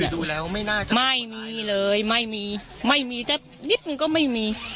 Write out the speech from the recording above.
ดูแล้วไม่น่าจะไม่มีเลยไม่มีไม่มีแต่นิดนึงก็ไม่มี